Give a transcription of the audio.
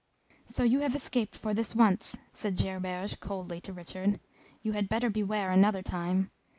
"So you have escaped for this once," said Gerberge, coldly, to Richard; "you had better beware another time.